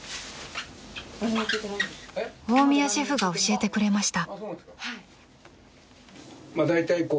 ［大宮シェフが教えてくれました］